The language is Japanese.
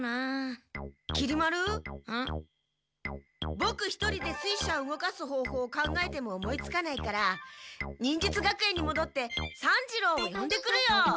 ボク一人で水車を動かすほうほうを考えても思いつかないから忍術学園にもどって三治郎をよんでくるよ。